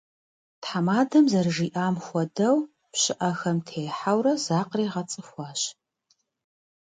Тхьэмадэм зэрыжиӀам хуэдэу, пщыӀэхэм техьэурэ закъригъэцӀыхуащ.